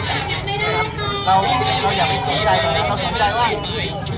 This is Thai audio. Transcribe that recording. แต่มันเป็นการแสดงที่เราแตกต่างจากประเทศอื่นอีก